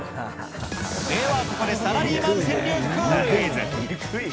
では、ここでサラリーマン川柳クイズ。